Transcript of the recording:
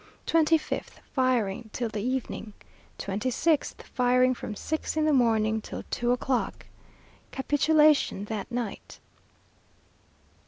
25th, firing till the evening. 26th, firing from six in the morning till two o'clock. Capitulation that night."